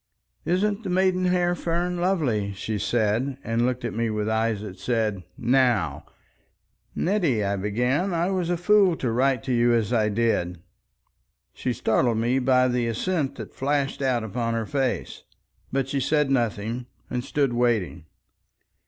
"Isn't the maidenhair fern lovely?" she said, and looked at me with eyes that said, "Now." "Nettie," I began, "I was a fool to write to you as I did." She startled me by the assent that flashed out upon her face. But she said nothing, and stood waiting.